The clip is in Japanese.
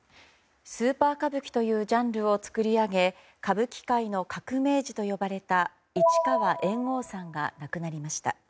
「スーパー歌舞伎」というジャンルを作り上げ歌舞伎界の革命児と呼ばれた市川猿翁さんが亡くなりました。